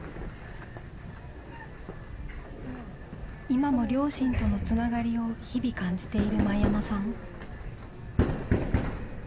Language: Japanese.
今も両親とのつながりを日々感じている前山さん。